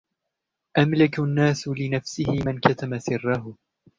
أملك الناس لنفسه من كتم سره.